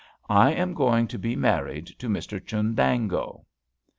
I am going to be married to Mr Chundango!"